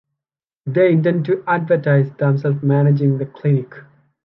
They intend to advertise themselves managing the clinic.